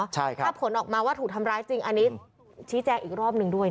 ถ้าผลออกมาว่าถูกทำร้ายจริงอันนี้ชี้แจงอีกรอบหนึ่งด้วยนะ